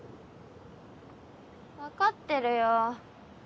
わかってるよ。